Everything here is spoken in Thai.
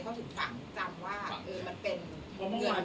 คนรอบตัวขวัดไม่ได้